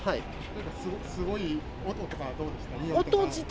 すごい音とかはどうでした？